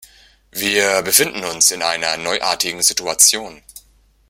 Wir befinden uns in einer neuartigen Situation.